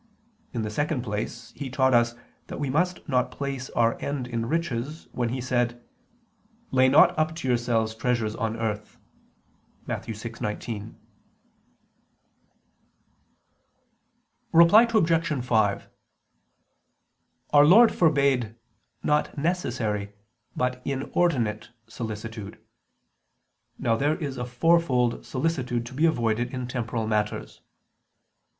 In the second place He taught us that we must not place our end in riches, when He said: "Lay not up to yourselves treasures on earth" (Matt. 6:19). Reply Obj. 5: Our Lord forbade, not necessary, but inordinate solicitude. Now there is a fourfold solicitude to be avoided in temporal matters.